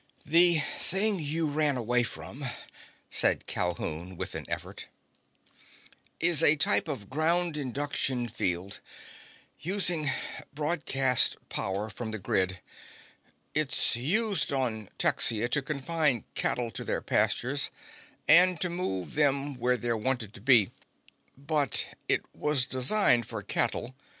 "The thing you ran away from," said Calhoun with effort, "is a type of ground induction field using broadcast power from the grid. It's used on Texia to confine cattle to their pastures and to move them where they're wanted to be. But it was designed for cattle.